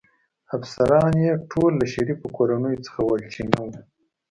افسران يې ټول له شریفو کورنیو څخه ول، چې نه و.